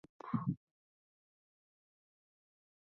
Sometimes the islands in Yell Sound are included in this group.